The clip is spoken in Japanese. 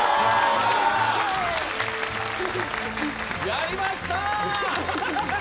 やりました！